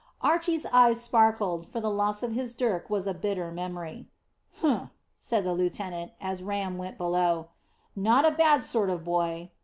Archy's eyes sparkled, for the loss of his dirk was a bitter memory. "Humph!" said the lieutenant, as Ram went below; "not a bad sort of boy.